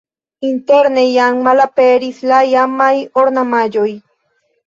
Interne jam malaperis la iamaj ornamaĵoj.